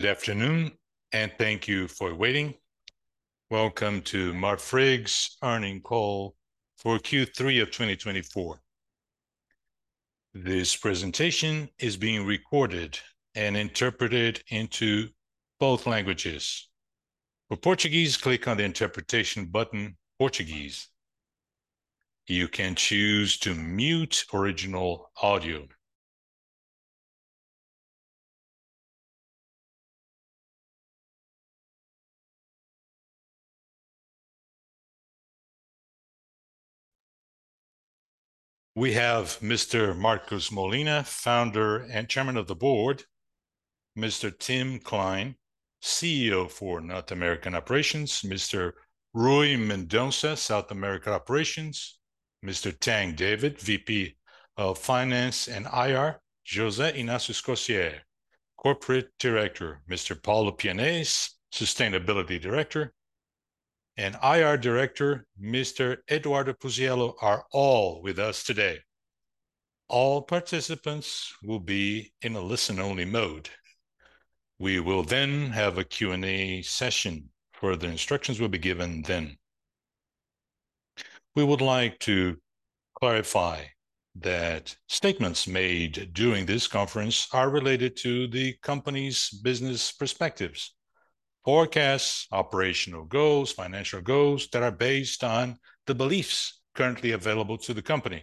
Good afternoon, and thank you for waiting. Welcome to Marfrig's earnings call for Q3 of 2024. This presentation is being recorded and interpreted into both languages. For Portuguese, click on the interpretation button. Portuguese. You can choose to mute original audio. We have Mr. Marcos Molina, Founder and Chairman of the Board, Mr. Tim Klein, CEO for North American Operations, Mr. Rui Mendonça, South America Operations, Mr. Tang David, VP of Finance and IR, José Ignácio Scoseria Rey, Corporate Director, Mr. Paulo Pianez, Sustainability Director, and IR Director, Mr. Eduardo Puzziello, are all with us today. All participants will be in a listen-only mode. We will then have a Q&A session, where the instructions will be given then. We would like to clarify that statements made during this conference are related to the company's business perspectives, forecasts, operational goals, and financial goals that are based on the beliefs currently available to the company,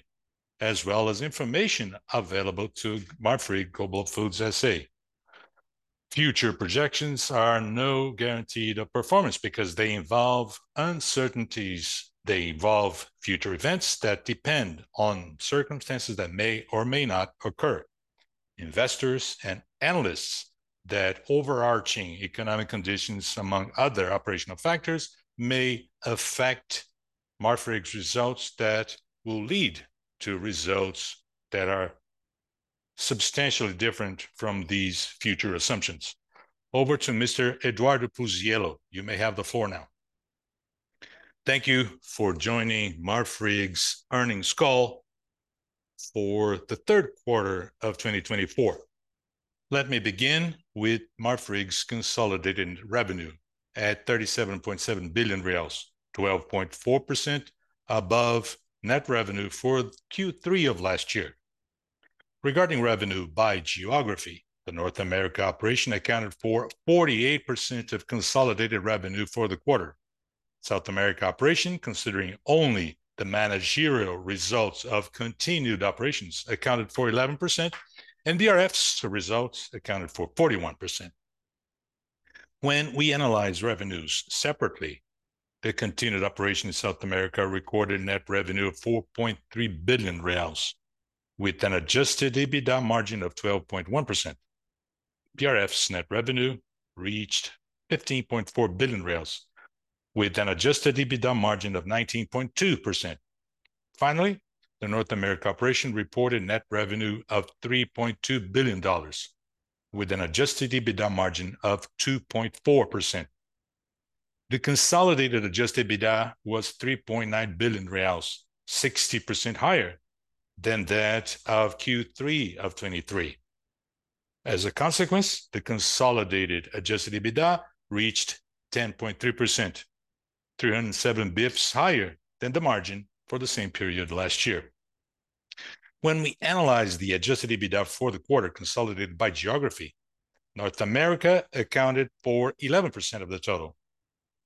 as well as information available to Marfrig Global Foods S.A. Future projections are no guarantee of performance because they involve uncertainties. They involve future events that depend on circumstances that may or may not occur. Investors and analysts believe that overarching economic conditions, among other operational factors, may affect Marfrig's results that will lead to results that are substantially different from these future assumptions. Over to Mr. Eduardo Puzziello. You may have the floor now. Thank you for joining Marfrig's earnings call for the third quarter of 2024. Let me begin with Marfrig's consolidated revenue at 37.7 billion reais, 12.4% above net revenue for Q3 of last year. Regarding revenue by geography, the North America operation accounted for 48% of consolidated revenue for the quarter. South America operation, considering only the managerial results of continued operations, accounted for 11%, and BRF results accounted for 41%. When we analyze revenues separately, the continued operation in South America recorded net revenue of 4.3 billion reais, with an adjusted EBITDA margin of 12.1%. BRF's net revenue reached BRL 15.4 billion, with an adjusted EBITDA margin of 19.2%. Finally, the North America operation reported net revenue of $3.2 billion, with an adjusted EBITDA margin of 2.4%. The consolidated adjusted EBITDA was 3.9 billion reais, 60% higher than that of Q3 of 2023. As a consequence, the consolidated adjusted EBITDA reached 10.3%, 307 basis points higher than the margin for the same period last year. When we analyze the adjusted EBITDA for the quarter consolidated by geography, North America accounted for 11% of the total.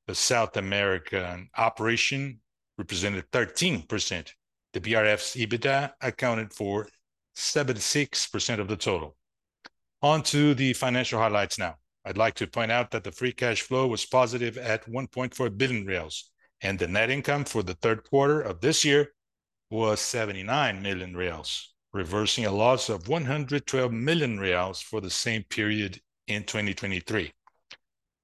The South American operation represented 13%. The BRF's EBITDA accounted for 76% of the total. Onto the financial highlights now. I'd like to point out that the free cash flow was positive at 1.4 billion, and the net income for the third quarter of this year was 79 million, reversing a loss of 112 million for the same period in 2023.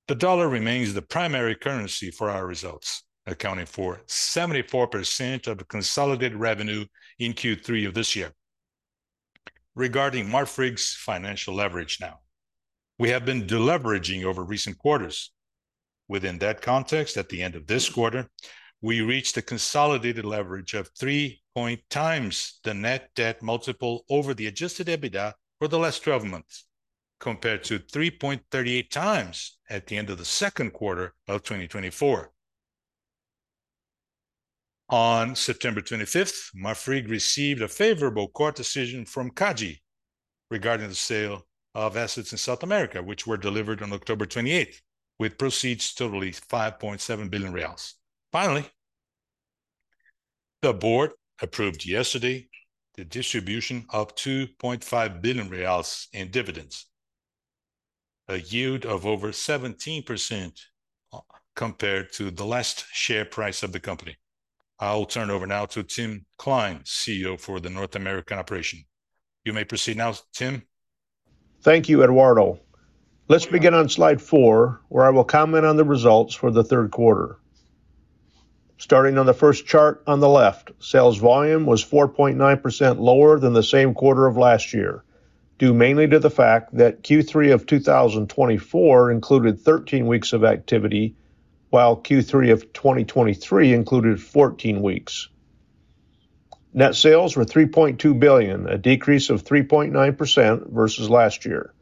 The dollar remains the primary currency for our results, accounting for 74% of the consolidated revenue in Q3 of this year. Regarding Marfrig's financial leverage now, we have been deleveraging over recent quarters. Within that context, at the end of this quarter, we reached a consolidated leverage of 3.0 times the net debt multiple over the adjusted EBITDA for the last 12 months, compared to 3.38 times at the end of the second quarter of 2024. On September 25th, Marfrig received a favorable court decision from CADE regarding the sale of assets in South America, which were delivered on October 28th, with proceeds totaling 5.7 billion reais. Finally, the board approved yesterday the distribution of 2.5 billion reais in dividends, a yield of over 17% compared to the last share price of the company. I'll turn over now to Tim Klein, CEO for the North American operation. You may proceed now, Tim. Thank you, Eduardo. Let's begin on slide four, where I will comment on the results for the third quarter. Starting on the first chart on the left, sales volume was 4.9% lower than the same quarter of last year, due mainly to the fact that Q3 of 2024 included 13 weeks of activity, while Q3 of 2023 included 14 weeks. Net sales were $3.2 billion, a decrease of 3.9% versus last year.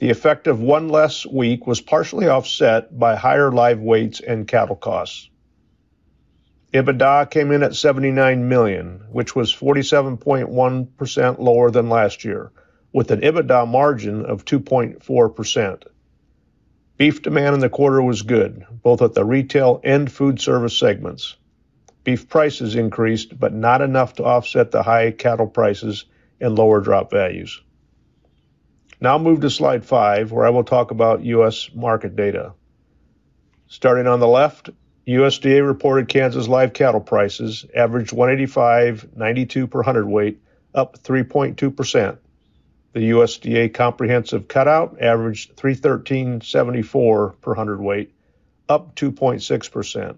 The effect of one less week was partially offset by higher live weights and cattle costs. EBITDA came in at $79 million, which was 47.1% lower than last year, with an EBITDA margin of 2.4%. Beef demand in the quarter was good, both at the retail and food service segments. Beef prices increased, but not enough to offset the high cattle prices and lower drop values. Now move to slide five, where I will talk about U.S. market data. Starting on the left, USDA reported Kansas live cattle prices averaged 185.92 per hundredweight, up 3.2%. The USDA comprehensive cutout averaged 313.74 per hundredweight, up 2.6%,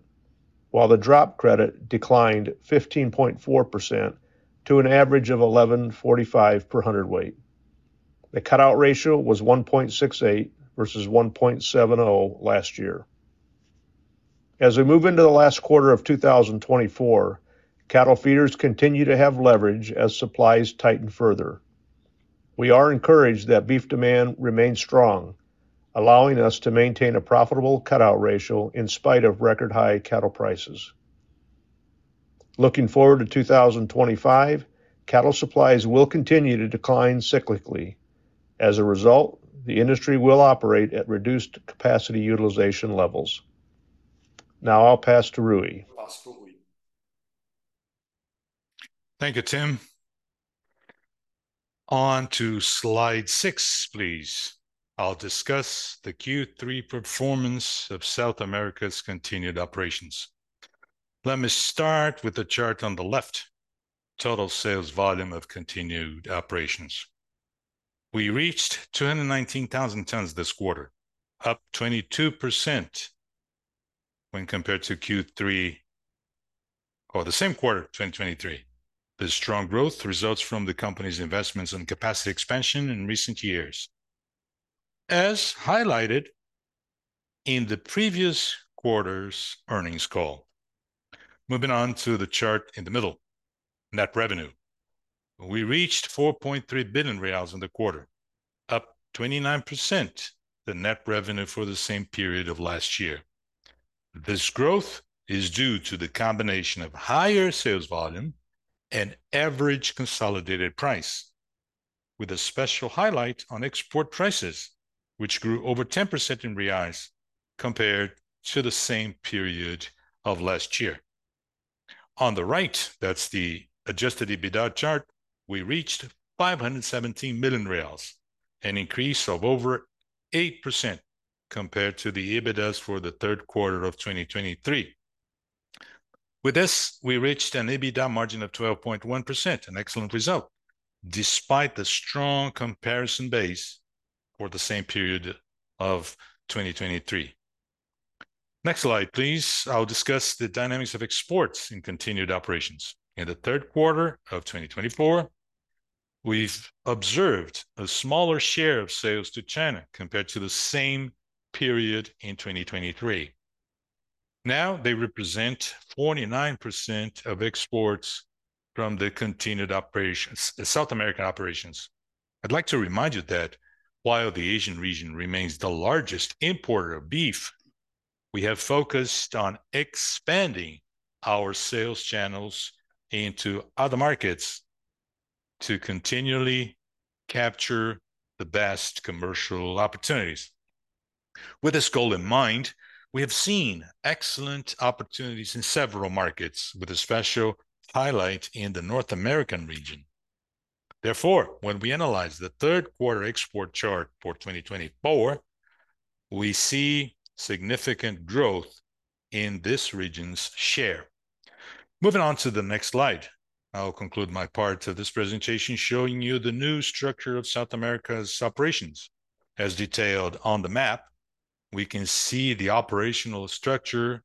while the drop credit declined 15.4% to an average of 11.45 per hundredweight. The cutout ratio was 1.68 versus 1.70 last year. As we move into the last quarter of 2024, cattle feeders continue to have leverage as supplies tighten further. We are encouraged that beef demand remains strong, allowing us to maintain a profitable cutout ratio in spite of record-high cattle prices. Looking forward to 2025, cattle supplies will continue to decline cyclically. As a result, the industry will operate at reduced capacity utilization levels. Now I'll pass to Rui. Thank you, Tim. On to slide six, please. I'll discuss the Q3 performance of South America's continued operations. Let me start with the chart on the left, total sales volume of continued operations. We reached 219,000 tons this quarter, up 22% when compared to Q3 or the same quarter, 2023. The strong growth results from the company's investments and capacity expansion in recent years, as highlighted in the previous quarter's earnings call. Moving on to the chart in the middle, net revenue. We reached 4.3 billion reais in the quarter, up 29%, the net revenue for the same period of last year. This growth is due to the combination of higher sales volume and average consolidated price, with a special highlight on export prices, which grew over 10% in reais compared to the same period of last year. On the right, that's the adjusted EBITDA chart. We reached 517 million reais, an increase of over 8% compared to the EBITDA for the third quarter of 2023. With this, we reached an EBITDA margin of 12.1%, an excellent result despite the strong comparison base for the same period of 2023. Next slide, please. I'll discuss the dynamics of exports in continued operations. In the third quarter of 2024, we've observed a smaller share of sales to China compared to the same period in 2023. Now they represent 49% of exports from the continued operations, South American operations. I'd like to remind you that while the Asian region remains the largest importer of beef, we have focused on expanding our sales channels into other markets to continually capture the best commercial opportunities. With this goal in mind, we have seen excellent opportunities in several markets, with a special highlight in the North American region. Therefore, when we analyze the third quarter export chart for 2024, we see significant growth in this region's share. Moving on to the next slide, I'll conclude my part of this presentation showing you the new structure of South America's operations. As detailed on the map, we can see the operational structure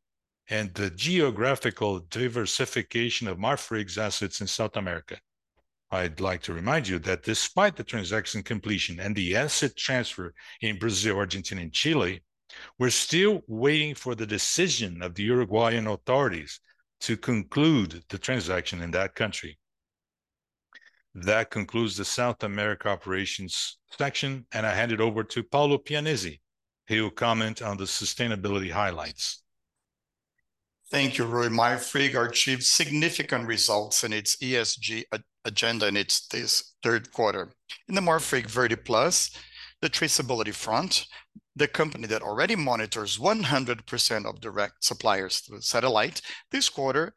and the geographical diversification of Marfrig's assets in South America. I'd like to remind you that despite the transaction completion and the asset transfer in Brazil, Argentina, and Chile, we're still waiting for the decision of the Uruguayan authorities to conclude the transaction in that country. That concludes the South America operations section, and I hand it over to Paulo Pianez. He will comment on the sustainability highlights. Thank you, Rui. Marfrig achieved significant results in its ESG agenda in its third quarter. In the Marfrig Verde+, the traceability front, the company that already monitors 100% of direct suppliers through satellite, this quarter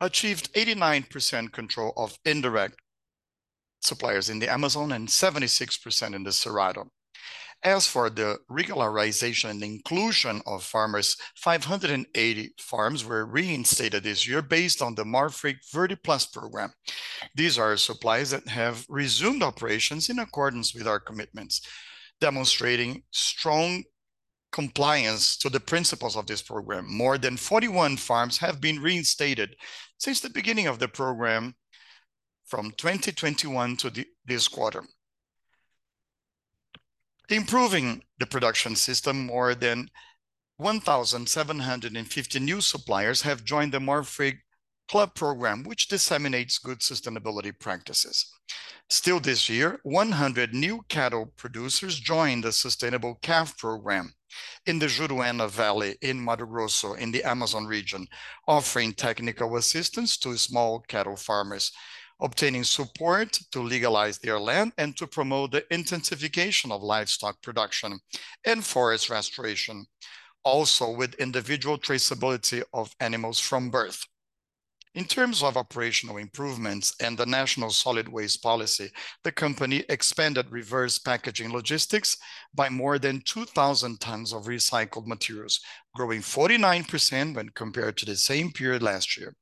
achieved 89% control of indirect suppliers in the Amazon and 76% in the Cerrado. As for the regularization and inclusion of farmers, 580 farms were reinstated this year based on the Marfrig Verde+ program. These are suppliers that have resumed operations in accordance with our commitments, demonstrating strong compliance to the principles of this program. More than 41 farms have been reinstated since the beginning of the program from 2021 to this quarter. Improving the production system, more than 1,750 new suppliers have joined the Marfrig Club program, which disseminates good sustainability practices. Still this year, 100 new cattle producers joined the Sustainable Calf Program in the Juruena Valley in Mato Grosso in the Amazon region, offering technical assistance to small cattle farmers, obtaining support to legalize their land and to promote the intensification of livestock production and forest restoration, also with individual traceability of animals from birth. In terms of operational improvements and the National Solid Waste Policy, the company expanded reverse packaging logistics by more than 2,000 tons of recycled materials, growing 49% when compared to the same period last year.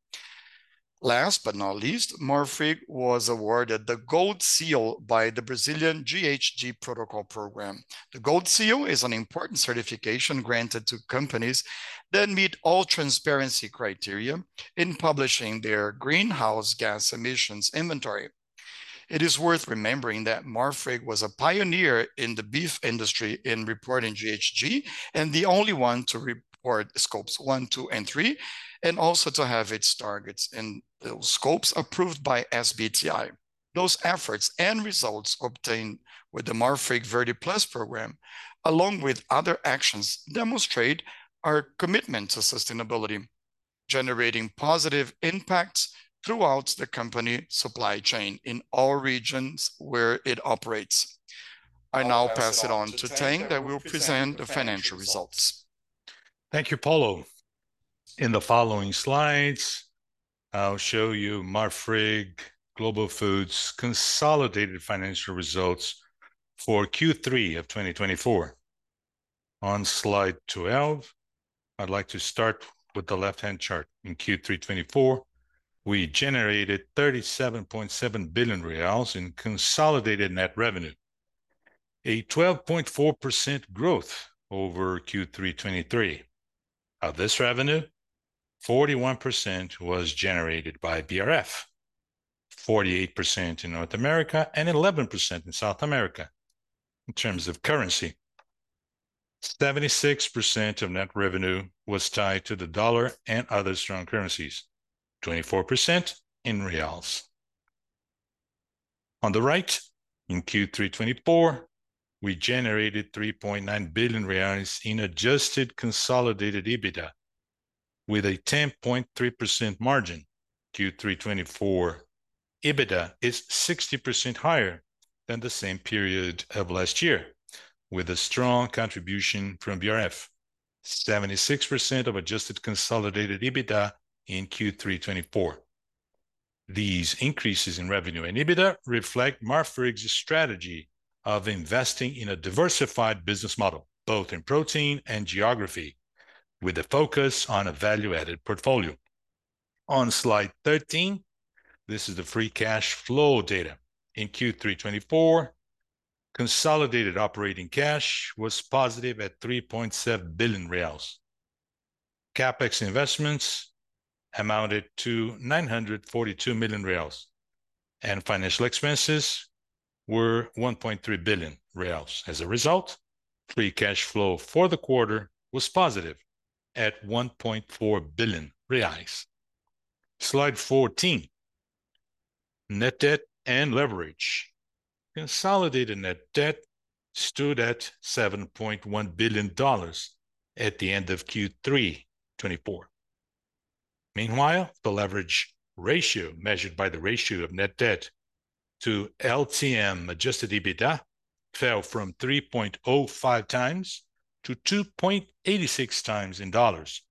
Last but not least, Marfrig was awarded the Gold Seal by the Brazilian GHG Protocol program. The Gold Seal is an important certification granted to companies that meet all transparency criteria in publishing their greenhouse gas emissions inventory. It is worth remembering that Marfrig was a pioneer in the beef industry in reporting GHG and the only one to report Scopes 1, 2, and 3, and also to have its targets and scopes approved by SBTi. Those efforts and results obtained with the Marfrig Verde+ program, along with other actions, demonstrate our commitment to sustainability, generating positive impacts throughout the company supply chain in all regions where it operates. I now pass it on to Tang that will present the financial results. Thank you, Paulo. In the following slides, I'll show you Marfrig Global Foods' consolidated financial results for Q3 of 2024. On slide 12, I'd like to start with the left-hand chart. In Q3 2024, we generated 37.7 billion reais in consolidated net revenue, a 12.4% growth over Q3 2023. Of this revenue, 41% was generated by BRF, 48% in North America, and 11% in South America. In terms of currency, 76% of net revenue was tied to the dollar and other strong currencies, 24% in reais. On the right, in Q3 2024, we generated 3.9 billion reais in adjusted consolidated EBITDA, with a 10.3% margin. Q3 2024 EBITDA is 60% higher than the same period of last year, with a strong contribution from BRF, 76% of adjusted consolidated EBITDA in Q3 2024. These increases in revenue and EBITDA reflect Marfrig's strategy of investing in a diversified business model, both in protein and geography, with a focus on a value-added portfolio. On slide 13, this is the free cash flow data. In Q3 2024, consolidated operating cash was positive at 3.7 billion reais. CapEx investments amounted to 942 million reais, and financial expenses were 1.3 billion reais. As a result, free cash flow for the quarter was positive at 1.4 billion reais. Slide 14, net debt and leverage. Consolidated net debt stood at $7.1 billion at the end of Q3 2024. Meanwhile, the leverage ratio measured by the ratio of net debt to LTM adjusted EBITDA fell from 3.05 times to 2.86 times in dollars.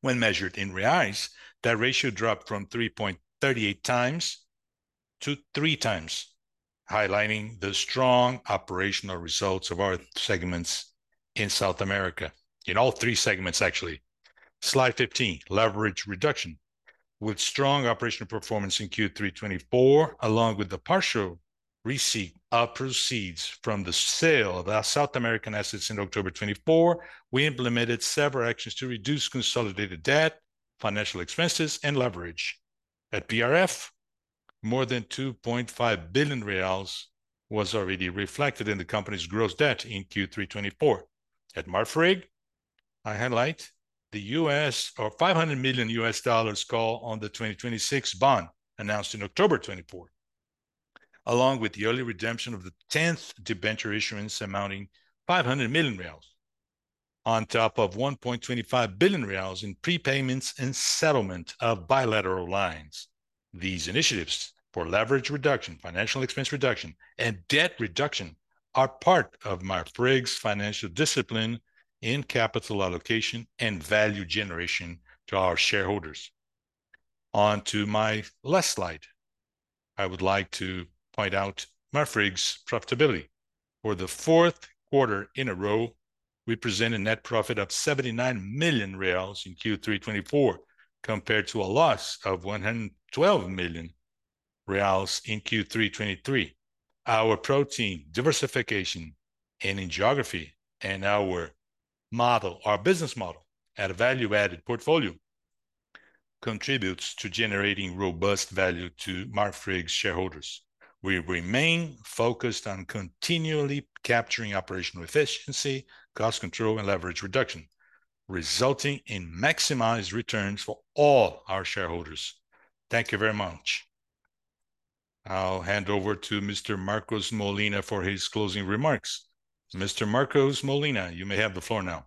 When measured in reais, that ratio dropped from 3.38 times to 3 times, highlighting the strong operational results of our segments in South America, in all three segments, actually. Slide 15, leverage reduction. With strong operational performance in Q3 2024, along with the partial receipt of proceeds from the sale of South American assets in October 2024, we implemented several actions to reduce consolidated debt, financial expenses, and leverage. At BRF, more than 2.5 billion reais was already reflected in the company's gross debt in Q3 2024. At Marfrig, I highlight the $500 million U.S. dollar call on the 2026 bond announced in October 2024, along with the early redemption of the 10th debenture issuance amounting 500 million reais, on top of 1.25 billion reais in prepayments and settlement of bilateral lines. These initiatives for leverage reduction, financial expense reduction, and debt reduction are part of Marfrig's financial discipline in capital allocation and value generation to our shareholders. On to my last slide. I would like to point out Marfrig's profitability. For the fourth quarter in a row, we presented net profit of 79 million reais in Q3 2024, compared to a loss of 112 million reais in Q3 2023. Our protein diversification and in geography and our model, our business model at a value-added portfolio, contributes to generating robust value to Marfrig's shareholders. We remain focused on continually capturing operational efficiency, cost control, and leverage reduction, resulting in maximized returns for all our shareholders. Thank you very much. I'll hand over to Mr. Marcos Molina for his closing remarks. Mr. Marcos Molina, you may have the floor now.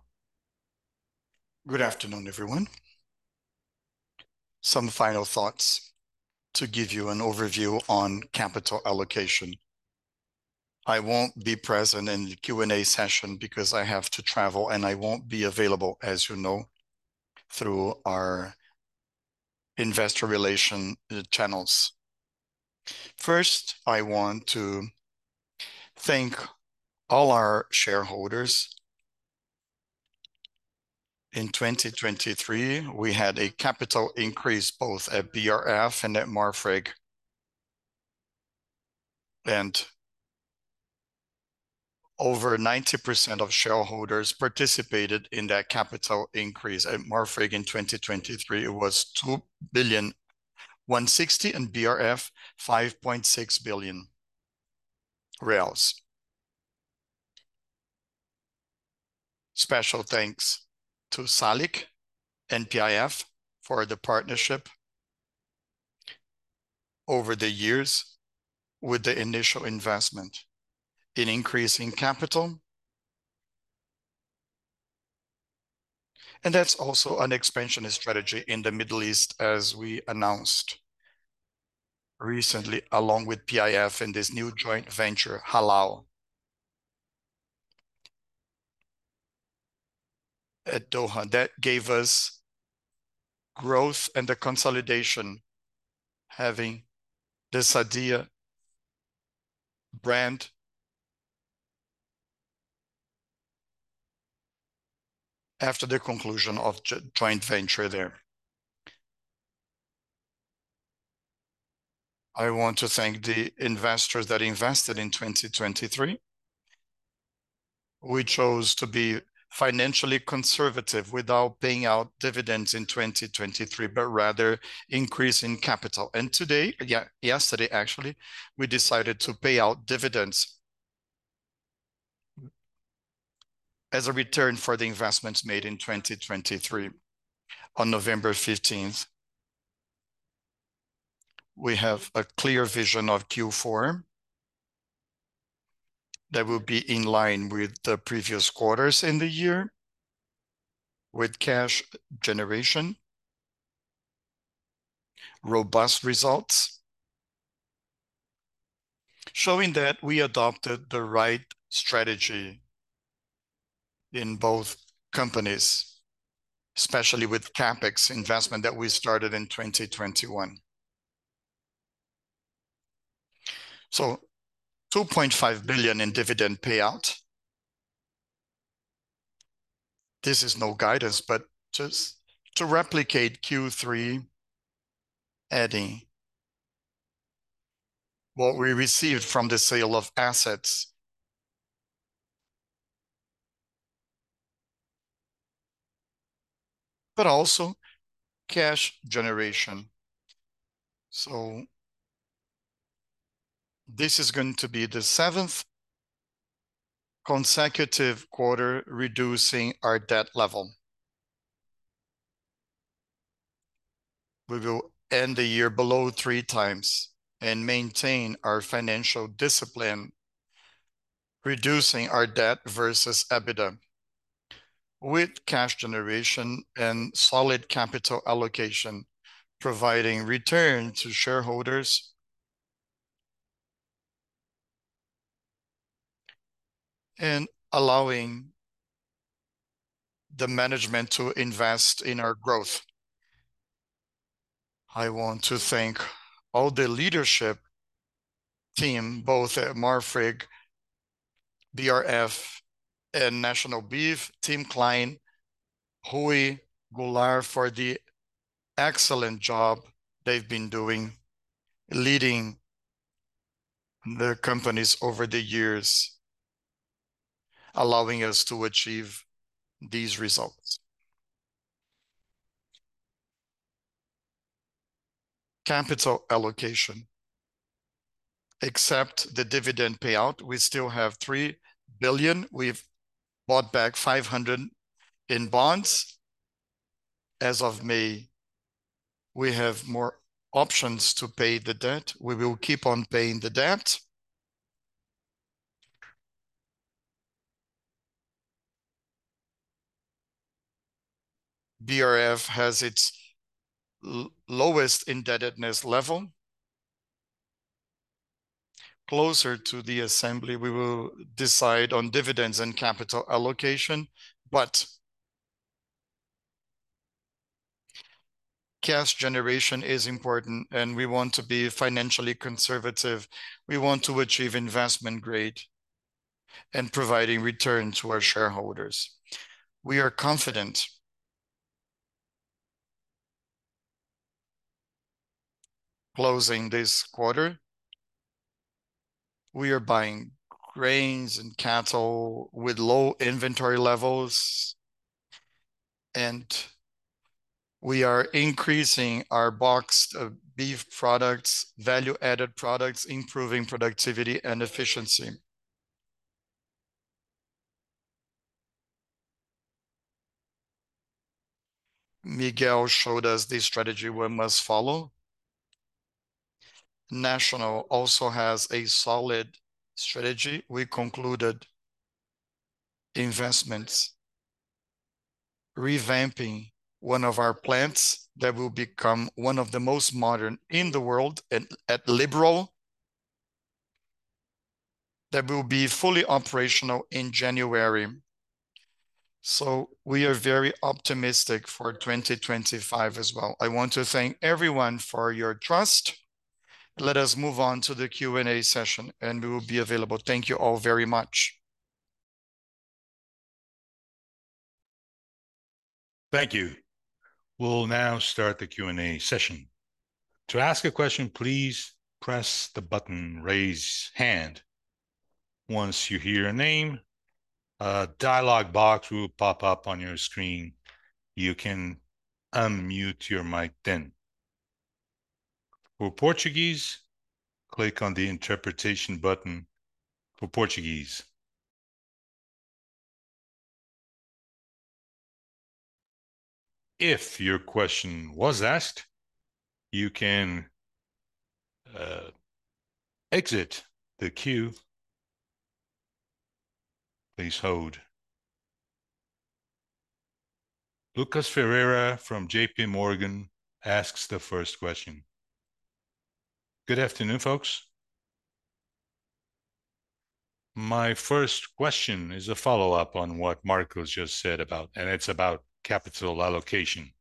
Good afternoon, everyone. Some final thoughts to give you an overview on capital allocation. I won't be present in the Q&A session because I have to travel, and I won't be available, as you know, through our investor relations channels. First, I want to thank all our shareholders. In 2023, we had a capital increase both at BRF and at Marfrig, and over 90% of shareholders participated in that capital increase at Marfrig in 2023. It was 2.16 billion and BRF 5.6 billion. Special thanks to SALIC and PIF for the partnership over the years with the initial investment in increasing capital, and that's also an expansion strategy in the Middle East, as we announced recently, along with PIF in this new joint venture, Halal. At Doha, that gave us growth and the consolidation, having the Sadia brand after the conclusion of the joint venture there. I want to thank the investors that invested in 2023. We chose to be financially conservative without paying out dividends in 2023, but rather increasing capital and today, yesterday, actually, we decided to pay out dividends as a return for the investments made in 2023. On November 15th, we have a clear vision of Q4 that will be in line with the previous quarters in the year, with cash generation, robust results, showing that we adopted the right strategy in both companies, especially with CapEx investment that we started in 2021. BRL 2.5 billion in dividend payout. This is no guidance, but just to replicate Q3, adding what we received from the sale of assets, but also cash generation. This is going to be the seventh consecutive quarter reducing our debt level. We will end the year below three times and maintain our financial discipline, reducing our debt versus EBITDA, with cash generation and solid capital allocation, providing returns to shareholders and allowing the management to invest in our growth. I want to thank all the leadership team, both at Marfrig, BRF, and National Beef, Tim Klein, Miguel Gularte, for the excellent job they've been doing, leading the companies over the years, allowing us to achieve these results. Capital allocation, except the dividend payout, we still have 3 billion. We've bought back 500 in bonds. As of May, we have more options to pay the debt. We will keep on paying the debt. BRF has its lowest indebtedness level. Closer to the assembly, we will decide on dividends and capital allocation, but cash generation is important, and we want to be financially conservative. We want to achieve investment grade and provide returns to our shareholders. We are confident. Closing this quarter, we are buying grains and cattle with low inventory levels, and we are increasing our boxed beef products, value-added products, improving productivity and efficiency. Miguel showed us the strategy we must follow. National also has a solid strategy. We concluded investments, revamping one of our plants that will become one of the most modern in the world at Liberal, that will be fully operational in January. So, we are very optimistic for 2025 as well. I want to thank everyone for your trust. Let us move on to the Q&A session, and we will be available. Thank you all very much. Thank you. We'll now start the Q&A session. To ask a question, please press the button "raise hand." Once you hear a name, a dialog box will pop up on your screen. You can unmute your mic then. For Portuguese, click on the interpretation button for Portuguese. If your question was asked, you can exit the queue. Please hold. Lucas Ferreira from JP Morgan asks the first question. Good afternoon, folks. My first question is a follow-up on what Marcos just said about, and it's about capital allocation.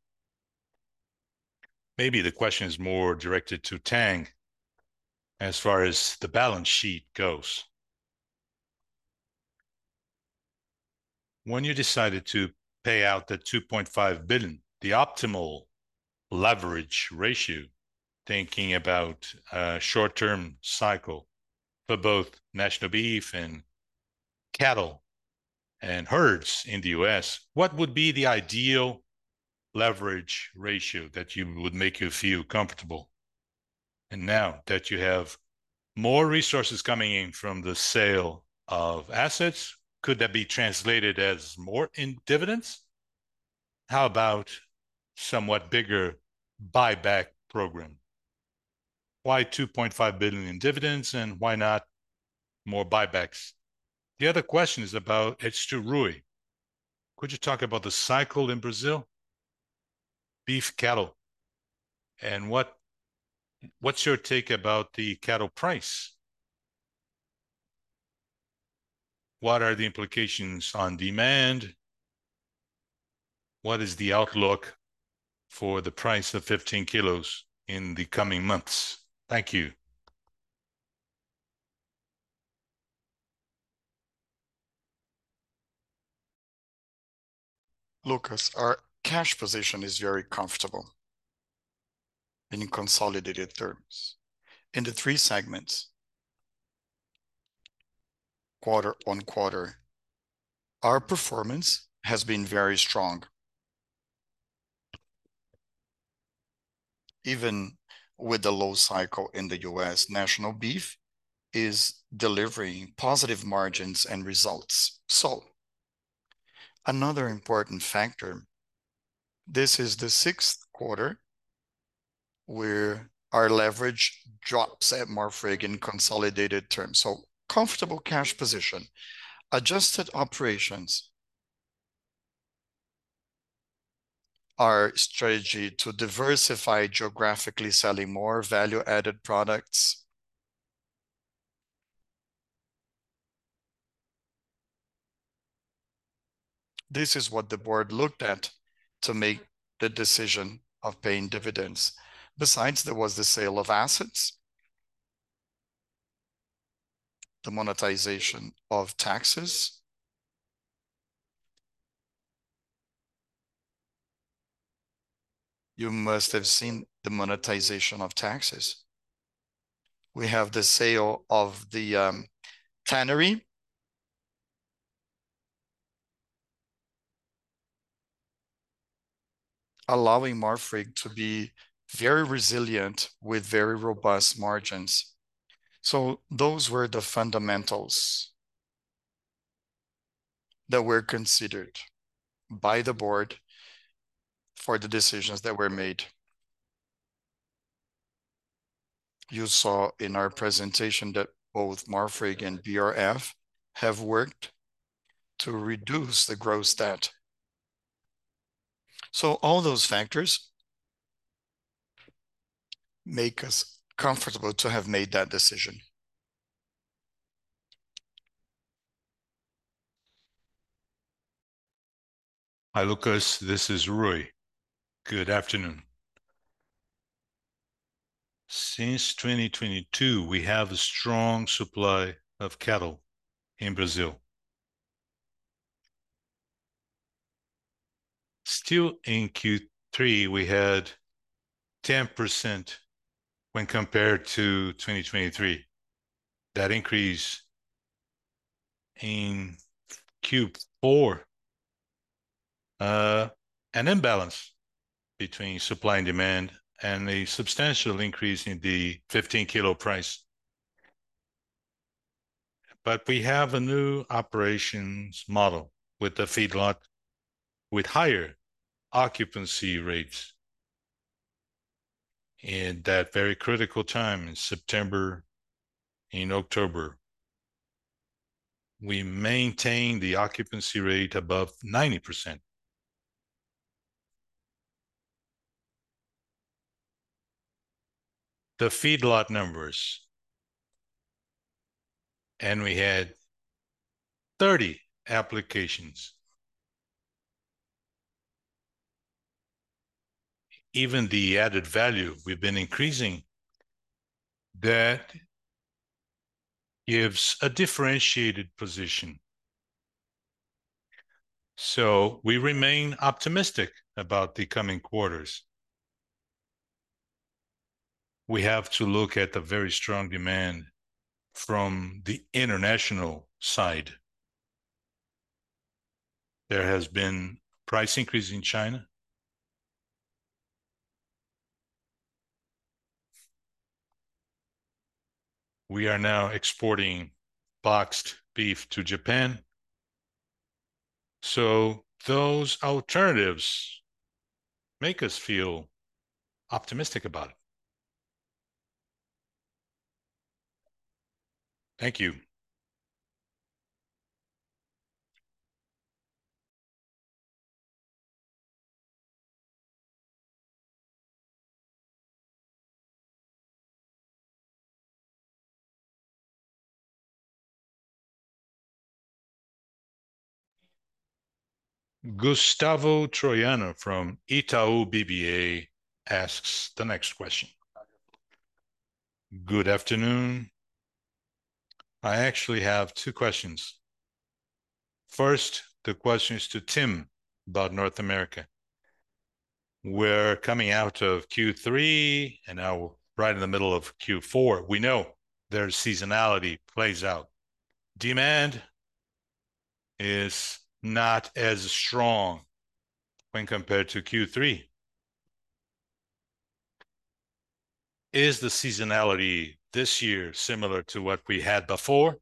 Maybe the question is more directed to Tang as far as the balance sheet goes. When you decided to pay out the 2.5 billion, the optimal leverage ratio, thinking about a short-term cycle for both National Beef and cattle and herds in the U.S., what would be the ideal leverage ratio that would make you feel comfortable? Now that you have more resources coming in from the sale of assets, could that be translated as more in dividends? How about a somewhat bigger buyback program? Why 2.5 billion in dividends, and why not more buybacks? The other question is about Rui. Could you talk about the cycle in Brazil? Beef, cattle, and what's your take about the cattle price? What are the implications on demand? What is the outlook for the price of 15 kilos in the coming months? Thank you. Lucas, our cash position is very comfortable in consolidated terms. In the three segments, quarter on quarter, our performance has been very strong. Even with the low cycle in the U.S., National Beef is delivering positive margins and results. So, another important factor, this is the sixth quarter where our leverage drops at Marfrig in consolidated terms. So, comfortable cash position, adjusted operations, our strategy to diversify geographically, selling more value-added products. This is what the board looked at to make the decision of paying dividends. Besides, there was the sale of assets, the monetization of taxes. You must have seen the monetization of taxes. We have the sale of the tannery, allowing Marfrig to be very resilient with very robust margins. So, those were the fundamentals that were considered by the board for the decisions that were made. You saw in our presentation that both Marfrig and BRF have worked to reduce the gross debt. So, all those factors make us comfortable to have made that decision. Hi, Lucas. This is Rui. Good afternoon. Since 2022, we have a strong supply of cattle in Brazil. Still in Q3, we had 10% when compared to 2023. That increase in Q4, an imbalance between supply and demand, and a substantial increase in the 15-kilo price. But we have a new operations model with the feedlot, with higher occupancy rates. In that very critical time, in September, in October, we maintained the occupancy rate above 90%. The feedlot numbers, and we had 30 applications. Even the added value, we've been increasing. That gives a differentiated position. So, we remain optimistic about the coming quarters. We have to look at the very strong demand from the international side. There has been a price increase in China. We are now exporting boxed beef to Japan. So, those alternatives make us feel optimistic about it. Thank you. Gustavo Troyano from Itaú BBA asks the next question. Good afternoon. I actually have two questions. First, the question is to Tim about North America. We're coming out of Q3, and now we're right in the middle of Q4. We know their seasonality plays out. Demand is not as strong when compared to Q3. Is the seasonality this year similar to what we had before?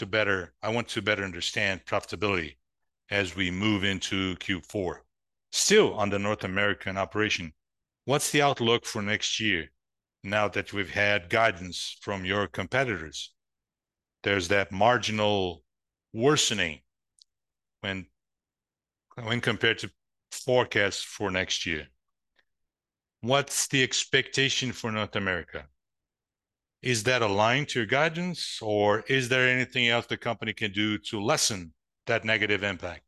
I want to better understand profitability as we move into Q4. Still on the North American operation, what's the outlook for next year now that we've had guidance from your competitors? There's that marginal worsening when compared to forecasts for next year. What's the expectation for North America? Is that aligned to your guidance, or is there anything else the company can do to lessen that negative impact?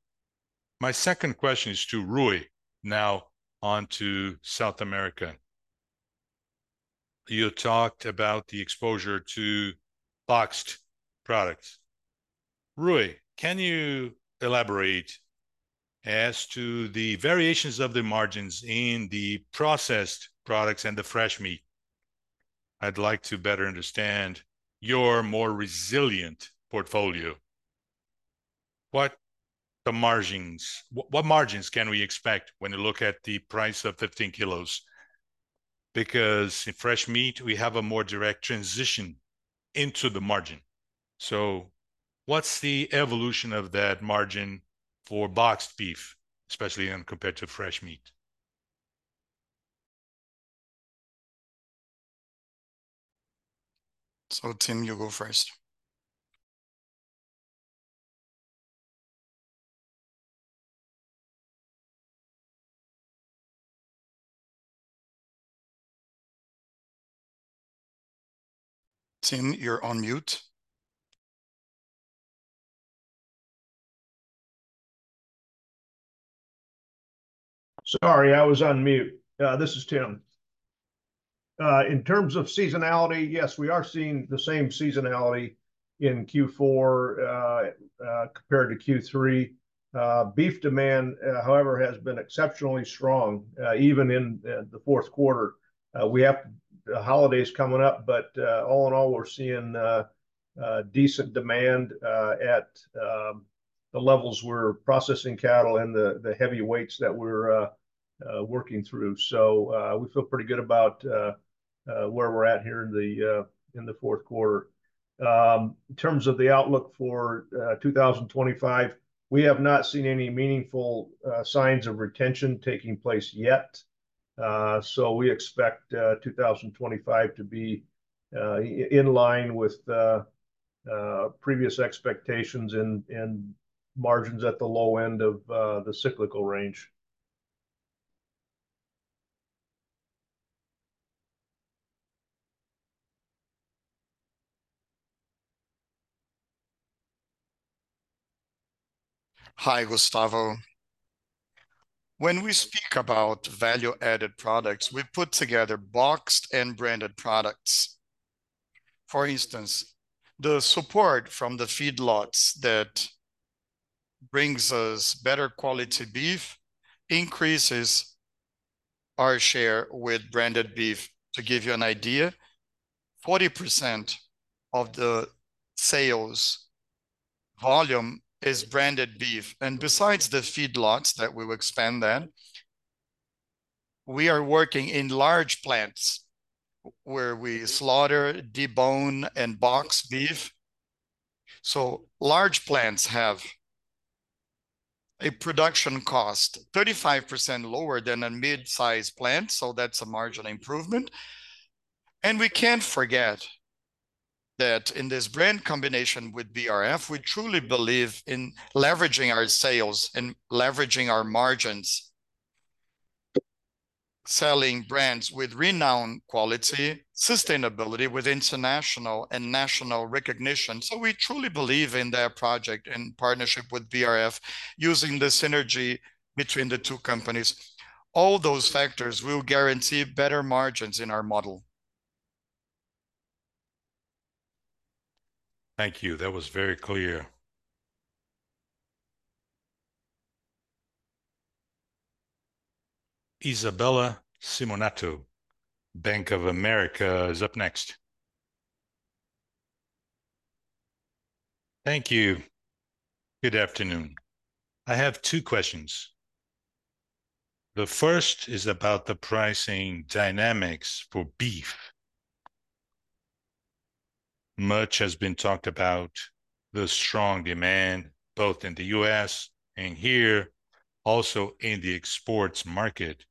My second question is to Rui now onto South America. You talked about the exposure to boxed products. Rui, can you elaborate as to the variations of the margins in the processed products and the fresh meat? I'd like to better understand your more resilient portfolio. What margins can we expect when you look at the price of 15 kilos? Because in fresh meat, we have a more direct transition into the margin. So, what's the evolution of that margin for boxed beef, especially when compared to fresh meat? So, Tim, you go first. Tim, you're on mute. Sorry, I was on mute. This is Tim. In terms of seasonality, yes, we are seeing the same seasonality in Q4 compared to Q3. Beef demand, however, has been exceptionally strong, even in the fourth quarter. We have the holidays coming up, but all in all, we're seeing decent demand at the levels we're processing cattle and the heavy weights that we're working through. So, we feel pretty good about where we're at here in the fourth quarter. In terms of the outlook for 2025, we have not seen any meaningful signs of retention taking place yet. So, we expect 2025 to be in line with previous expectations and margins at the low end of the cyclical range. Hi, Gustavo. When we speak about value-added products, we put together boxed and branded products. For instance, the support from the feedlots that brings us better quality beef increases our share with branded beef. To give you an idea, 40% of the sales volume is branded beef, and besides the feedlots that we will expand then, we are working in large plants where we slaughter, debone, and box beef, so large plants have a production cost 35% lower than a mid-size plant, so that's a margin improvement, and we can't forget that in this brand combination with BRF, we truly believe in leveraging our sales and leveraging our margins, selling brands with renowned quality, sustainability with international and national recognition, so we truly believe in that project and partnership with BRF using the synergy between the two companies. All those factors will guarantee better margins in our model. Thank you. That was very clear. Isabella Simonetto, Bank of America, is up next. Thank you. Good afternoon. I have two questions. The first is about the pricing dynamics for beef. Much has been talked about the strong demand both in the U.S. and here, also in the export market.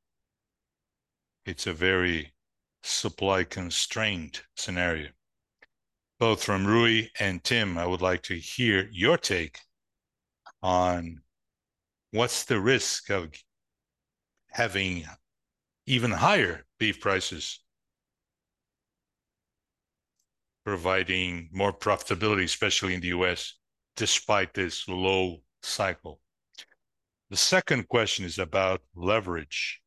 It's a very supply-constrained scenario. Both from Rui and Tim, I would like to hear your take on what's the risk of having even higher beef prices, providing more profitability, especially in the U.S., despite this low cycle. The second question is about leverage.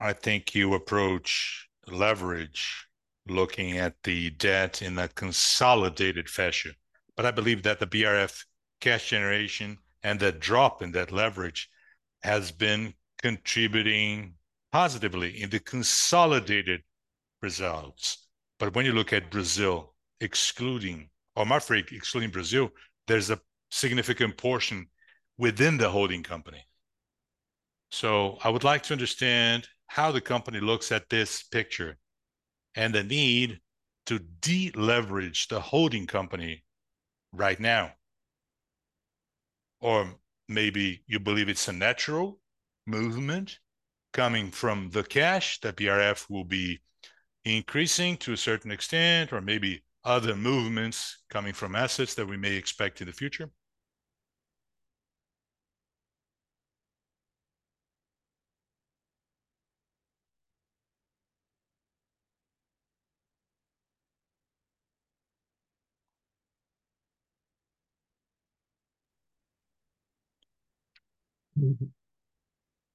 I think you approach leverage looking at the debt in a consolidated fashion. But I believe that the BRF cash generation and the drop in that leverage has been contributing positively in the consolidated results. But when you look at Brazil, excluding BRF, or Marfrig excluding Brazil, there's a significant portion within the holding company. So, I would like to understand how the company looks at this picture and the need to de-leverage the holding company right now. Or maybe you believe it's a natural movement coming from the cash that BRF will be increasing to a certain extent, or maybe other movements coming from assets that we may expect in the future.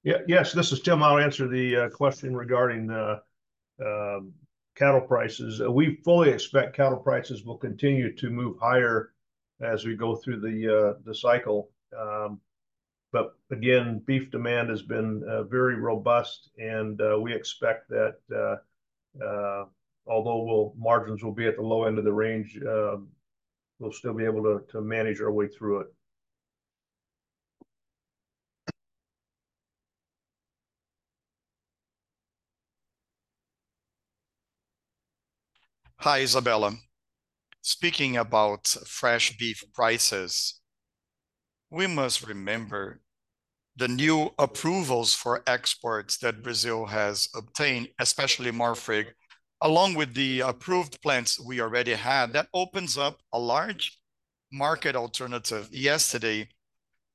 Yeah, yes, this is Tim. I'll answer the question regarding the cattle prices. We fully expect cattle prices will continue to move higher as we go through the cycle. But again, beef demand has been very robust, and we expect that although margins will be at the low end of the range, we'll still be able to manage our way through it. Hi, Isabella. Speaking about fresh beef prices, we must remember the new approvals for exports that Brazil has obtained, especially Marfrig, along with the approved plants we already had. That opens up a large market alternative. Yesterday,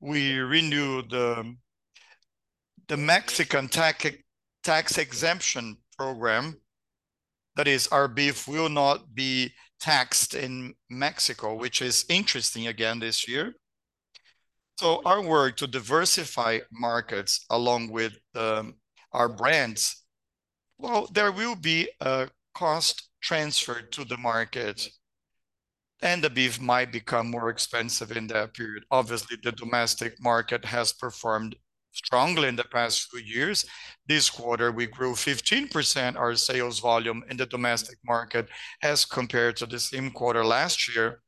we renewed the Mexican tax exemption program. That is, our beef will not be taxed in Mexico, which is interesting again this year. So, our work to diversify markets along with our brands, well, there will be a cost transfer to the market, and the beef might become more expensive in that period. Obviously, the domestic market has performed strongly in the past few years. This quarter, we grew 15% our sales volume in the domestic market as compared to the same quarter last year.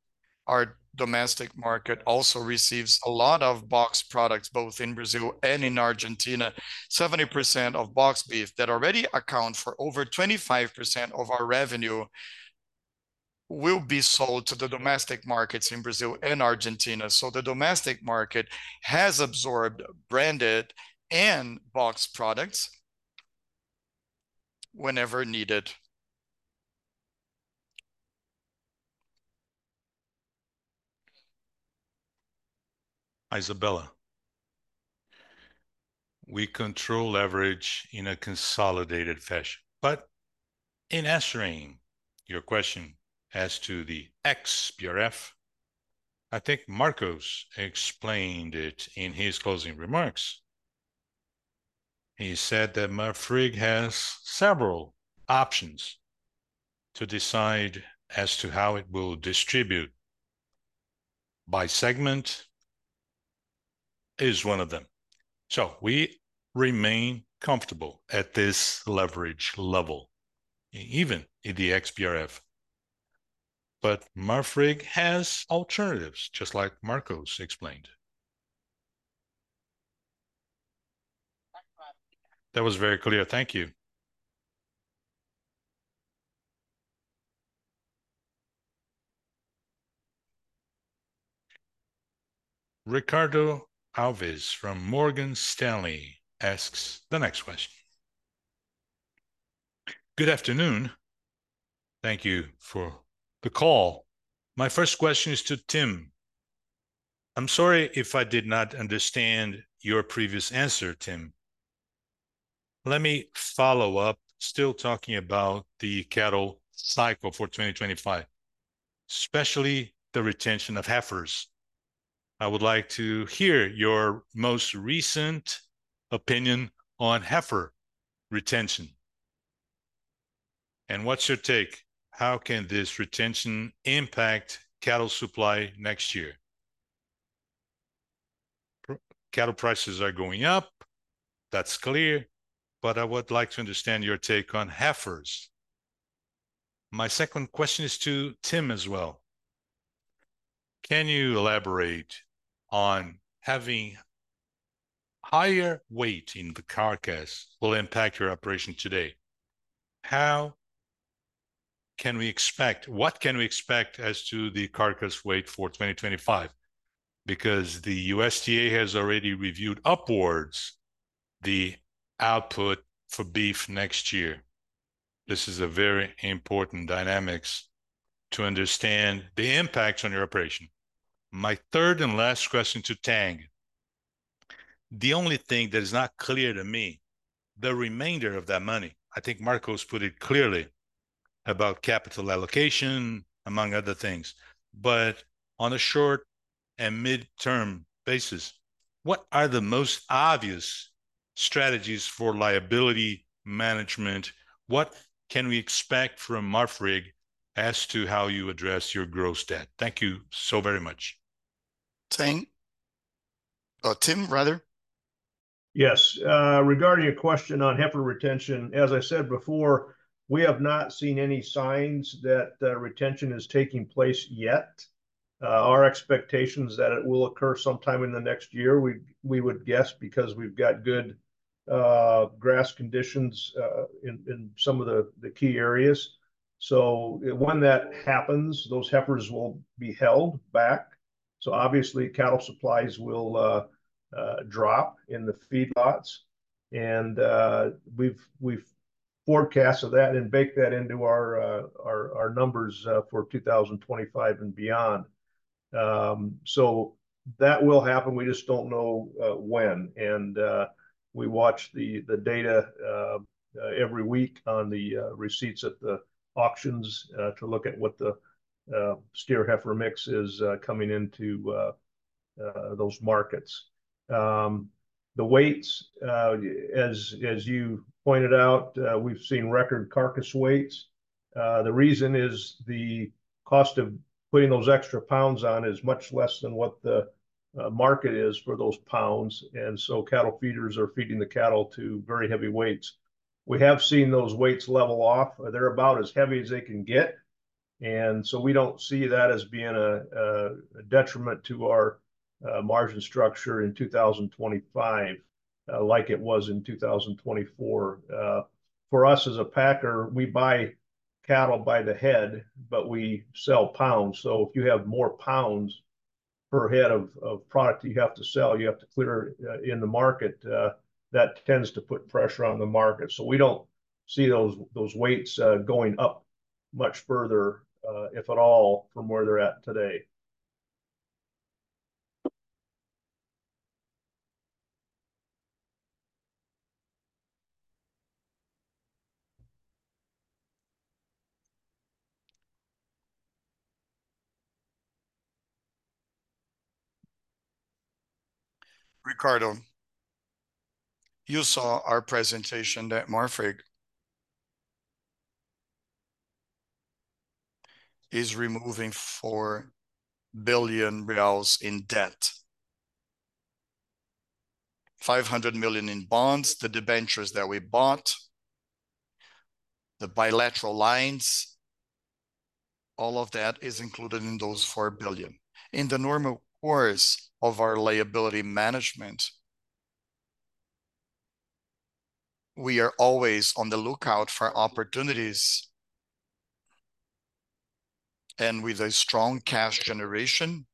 Our domestic market also receives a lot of boxed products both in Brazil and in Argentina. 70% of boxed beef that already accounts for over 25% of our revenue will be sold to the domestic markets in Brazil and Argentina, so the domestic market has absorbed branded and boxed products whenever needed. Isabella, we control leverage in a consolidated fashion. But in answering your question as to the ex-BRF, I think Marcos explained it in his closing remarks. He said that Marfrig has several options to decide as to how it will distribute. By segment is one of them. So, we remain comfortable at this leverage level, even in the ex-BRF. But Marfrig has alternatives, just like Marcos explained. That was very clear. Thank you. Ricardo Alves from Morgan Stanley asks the next question. Good afternoon. Thank you for the call. My first question is to Tim. I'm sorry if I did not understand your previous answer, Tim. Let me follow up, still talking about the cattle cycle for 2025, especially the retention of heifers. I would like to hear your most recent opinion on heifer retention. And what's your take? How can this retention impact cattle supply next year? Cattle prices are going up. That's clear. But I would like to understand your take on heifers. My second question is to Tim as well. Can you elaborate on having higher weight in the carcass will impact your operation today? How can we expect as to the carcass weight for 2025? Because the USDA has already revised upwards the output for beef next year. This is a very important dynamic to understand the impact on your operation. My third and last question to Tang. The only thing that is not clear to me, the remainder of that money, I think Marcos put it clearly about capital allocation, among other things. But on a short and mid-term basis, what are the most obvious strategies for liability management? What can we expect from Marfrig as to how you address your gross debt? Thank you so very much. Tang. Oh, Tim, rather. Yes. Regarding your question on heifer retention, as I said before, we have not seen any signs that retention is taking place yet. Our expectation is that it will occur sometime in the next year. We would guess because we've got good grass conditions in some of the key areas. So, when that happens, those heifers will be held back. So, obviously, cattle supplies will drop in the feedlots. And we've forecasted that and baked that into our numbers for 2025 and beyond. So, that will happen. We just don't know when. And we watch the data every week on the receipts at the auctions to look at what the steer/heifer mix is coming into those markets. The weights, as you pointed out, we've seen record carcass weights. The reason is the cost of putting those extra pounds on is much less than what the market is for those pounds. Cattle feeders are feeding the cattle to very heavy weights. We have seen those weights level off. They're about as heavy as they can get. We don't see that as being a detriment to our margin structure in 2025 like it was in 2024. For us as a packer, we buy cattle by the head, but we sell pounds. If you have more pounds per head of product that you have to sell, you have to clear in the market, that tends to put pressure on the market. We don't see those weights going up much further, if at all, from where they're at today. Ricardo, you saw our presentation that Marfrig is removing 4 billion reais in debt. 500 million in bonds, the debentures that we bought, the bilateral lines, all of that is included in those 4 billion. In the normal course of our liability management, we are always on the lookout for opportunities, and with a strong cash generation,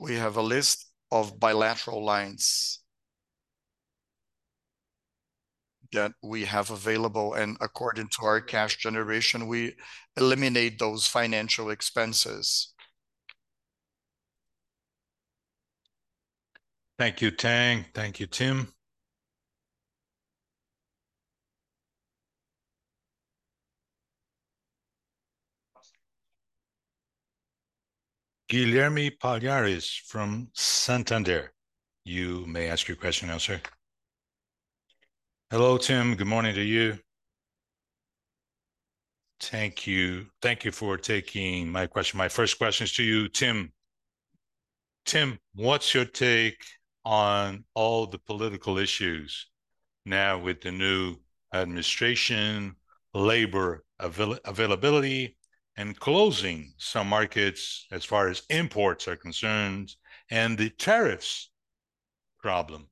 we have a list of bilateral lines that we have available, and according to our cash generation, we eliminate those financial expenses. Thank you, Tang. Thank you, Tim. Guilherme Palhares from Santander. You may ask your question now, sir. Hello, Tim. Good morning to you. Thank you. Thank you for taking my question. My first question is to you, Tim. Tim, what's your take on all the political issues now with the new administration, labor availability, and closing some markets as far as imports are concerned, and the tariffs problem?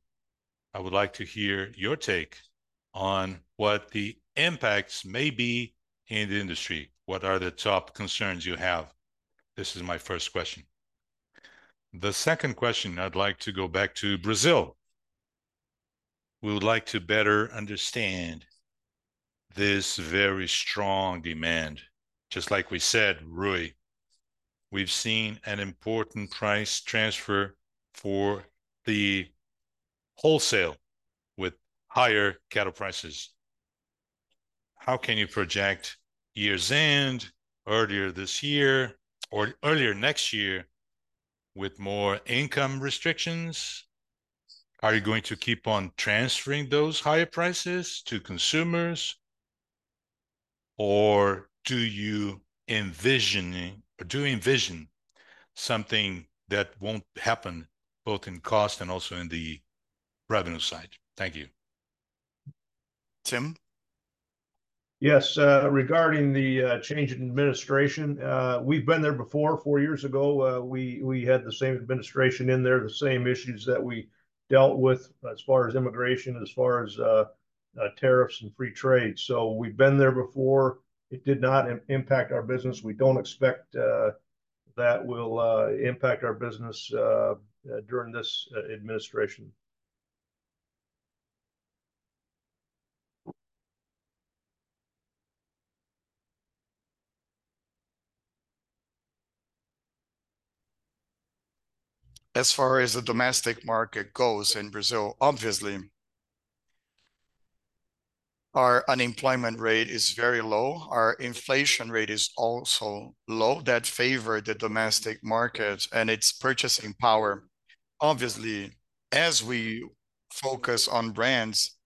I would like to hear your take on what the impacts may be in the industry. What are the top concerns you have? This is my first question. The second question, I'd like to go back to Brazil. We would like to better understand this very strong demand. Just like we said, Rui, we've seen an important price transfer for the wholesale with higher cattle prices. How can you project years in, earlier this year, or earlier next year with more income restrictions? Are you going to keep on transferring those higher prices to consumers, or do you envision something that won't happen both in cost and also in the revenue side? Thank you. Tim? Yes. Regarding the change in administration, we've been there before. Four years ago, we had the same administration in there, the same issues that we dealt with as far as immigration, as far as tariffs and free trade. So, we've been there before. It did not impact our business. We don't expect that will impact our business during this administration. As far as the domestic market goes in Brazil, obviously, our unemployment rate is very low. Our inflation rate is also low. That favors the domestic markets and its purchasing power. Obviously, as we focus on brands,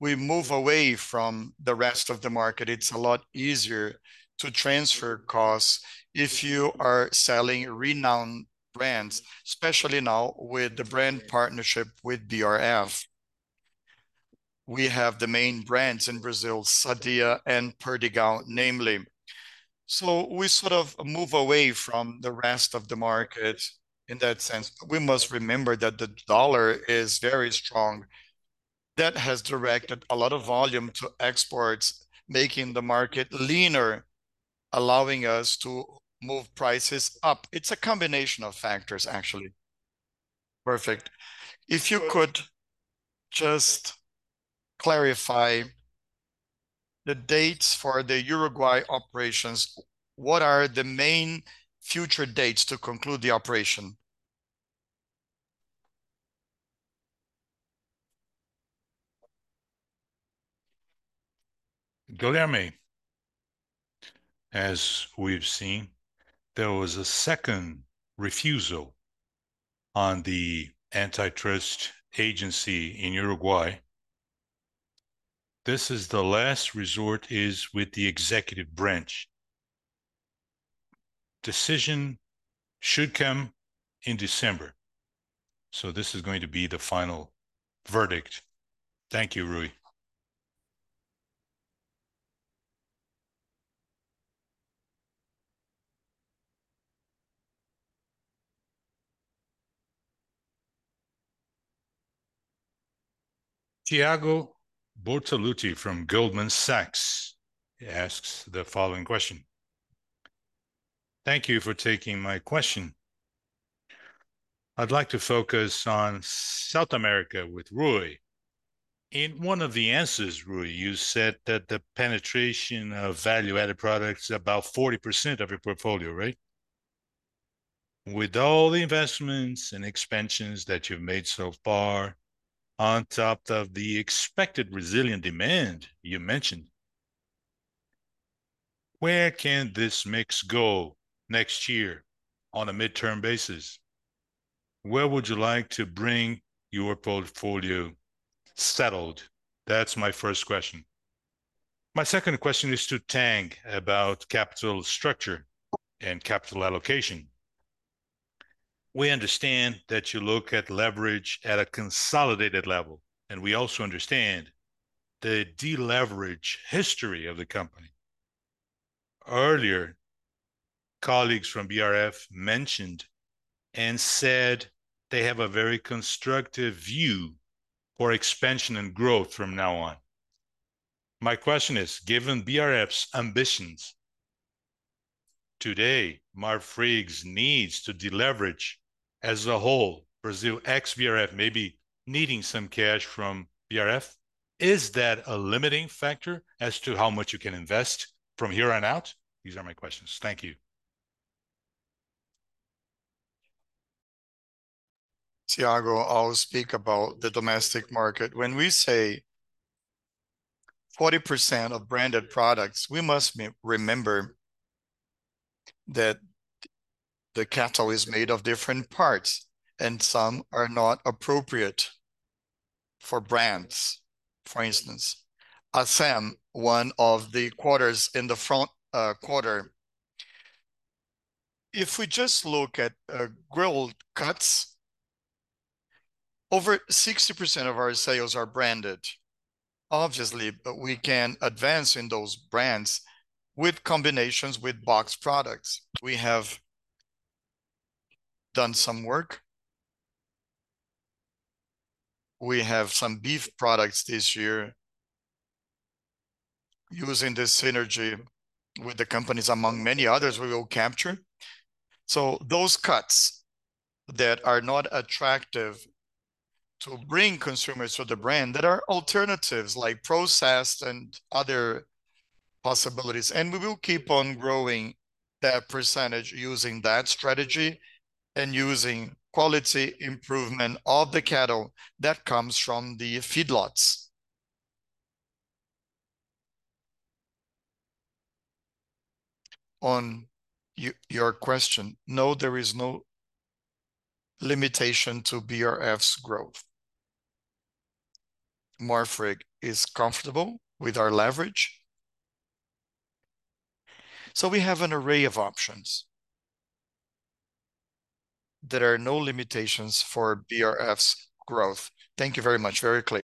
we move away from the rest of the market. It's a lot easier to transfer costs if you are selling renowned brands, especially now with the brand partnership with BRF. We have the main brands in Brazil, Sadia and Perdigão, namely. So, we sort of move away from the rest of the market in that sense. But we must remember that the dollar is very strong. That has directed a lot of volume to exports, making the market leaner, allowing us to move prices up. It's a combination of factors, actually. Perfect. If you could just clarify the dates for the Uruguay operations, what are the main future dates to conclude the operation? Guilherme, as we've seen, there was a second refusal on the antitrust agency in Uruguay. This is the last resort is with the executive branch. Decision should come in December. So, this is going to be the final verdict. Thank you, Rui. Thiago Bortolucci from Goldman Sachs asks the following question. Thank you for taking my question. I'd like to focus on South America with Rui. In one of the answers, Rui, you said that the penetration of value-added products is about 40% of your portfolio, right? With all the investments and expansions that you've made so far, on top of the expected resilient demand you mentioned, where can this mix go next year on a mid-term basis? Where would you like to bring your portfolio settled? That's my first question. My second question is to Tang about capital structure and capital allocation. We understand that you look at leverage at a consolidated level, and we also understand the deleverage history of the company. Earlier, colleagues from BRF mentioned and said they have a very constructive view for expansion and growth from now on. My question is, given BRF's ambitions, today, Marfrig's needs to deleverage as a whole, Brazil ex-BRF may be needing some cash from BRF. Is that a limiting factor as to how much you can invest from here on out? These are my questions. Thank you. Thiago, I'll speak about the domestic market. When we say 40% of branded products, we must remember that the cattle is made of different parts, and some are not appropriate for brands. For instance, Acém, one of the quarters in the front quarter, if we just look at grilled cuts, over 60% of our sales are branded. Obviously, we can advance in those brands with combinations with box products. We have done some work. We have some beef products this year using the synergy with the companies, among many others we will capture. So, those cuts that are not attractive to bring consumers to the brand, that are alternatives like processed and other possibilities, and we will keep on growing that percentage using that strategy and using quality improvement of the cattle that comes from the feedlots. On your question, no, there is no limitation to BRF's growth. Marfrig is comfortable with our leverage, so we have an array of options that are no limitations for BRF's growth. Thank you very much. Very good.